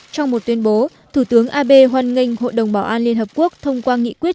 trong một tuyên bố thủ tướng ab hoan nghênh hội đồng bảo an liên hợp quốc thông qua nghị quyết